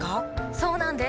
そうなんです。